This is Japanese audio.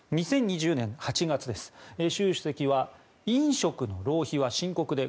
２０２０年８月習主席は飲食の浪費は深刻で